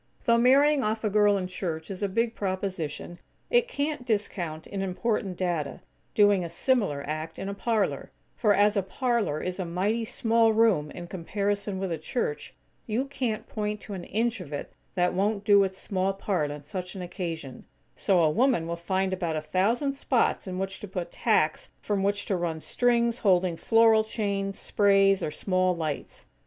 Though marrying off a girl in church is a big proposition, it can't discount, in important data, doing a similar act in a parlor; for, as a parlor is a mighty small room in comparison with a church, you can't point to an inch of it that won't do its small part on such an occasion; so a woman will find about a thousand spots in which to put tacks from which to run strings holding floral chains, sprays, or small lights.